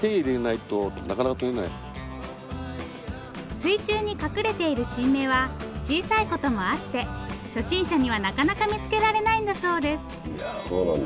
水中に隠れている新芽は小さいこともあって初心者にはなかなか見つけられないんだそうですそうなんだ。